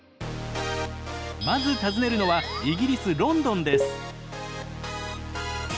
まず訪ねるのはイギリス・ロンドンです。